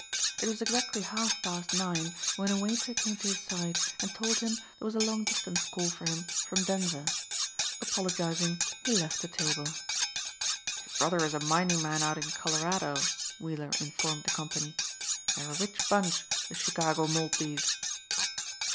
It was exactly half past nine when a waiter came to his side and told him there was a long distance call for him from Denver. Apologizing he left the table. "His brother is a mining man out in Colorado," Weiller informed the company. "They're a rich bunch, the Chicago Maltbys."